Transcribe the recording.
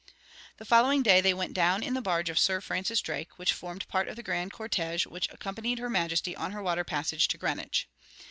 The following day they went down in the barge of Sir Francis Drake, which formed part of the grand cortege which accompanied her majesty on her water passage to Greenwich.